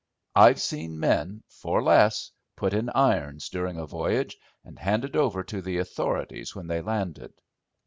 I've seen men, for less, put in irons during a voyage and handed over to the authorities when they landed.